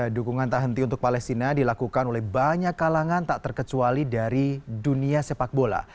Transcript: dukungan tak henti untuk palestina dilakukan oleh banyak kalangan tak terkecuali dari dunia sepak bola